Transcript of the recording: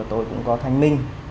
tôi cũng có thanh minh